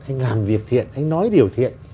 anh làm việc thiện anh nói điều thiện